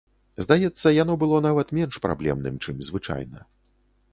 Здаецца, яно было нават менш праблемным, чым звычайна.